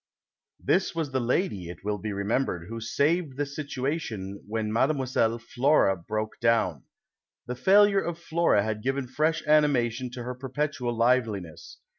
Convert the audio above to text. This was the lady, it will be remembered, who saved the situation when Mile. Flora broke down. " The failure of Flora had given fresh animation to her perpetual liveliness.